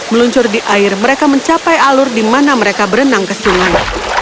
meluncur di air mereka mencapai alur di mana mereka berenang ke sungai